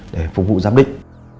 để phục vụ giám định